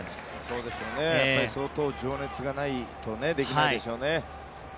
そうでしょうね、相当情熱がないとできないでしょうね。